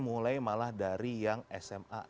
mulai malah dari yang sma